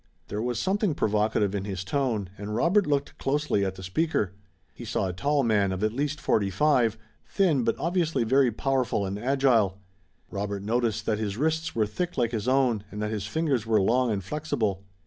There was something provocative in his tone, and Robert looked closely at the speaker. He saw a tall man of at least forty five, thin but obviously very powerful and agile. Robert noticed that his wrists were thick like his own and that his fingers were long and flexible.